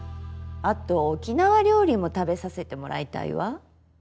あと沖縄料理も食べさせてもらいたいわ。